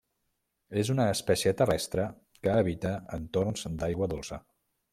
És una espècie terrestre que habita entorns d'aigua dolça.